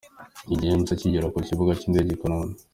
King James akigera ku kibuga cy'indege i Kanombe.